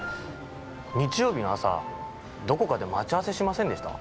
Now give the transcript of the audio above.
日曜日の朝どこかで待ち合わせしませんでした？